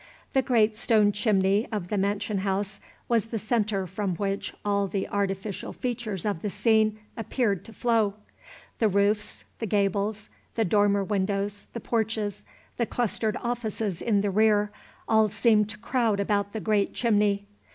The great stone chimney of the mansion house was the centre from which all the artificial features of the scene appeared to flow. The roofs, the gables, the dormer windows, the porches, the clustered offices in the rear, all seemed to crowd about the great chimney.